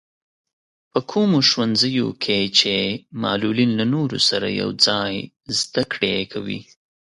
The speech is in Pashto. په کومو ښوونځیو کې چې معلولين له نورو سره يوځای زده کړې کوي.